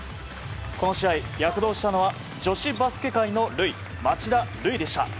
この試合、躍動したのは女子バスケ界のルイ町田瑠唯でした。